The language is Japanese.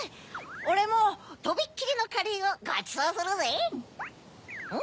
オレもとびっきりのカレーをごちそうするぜ！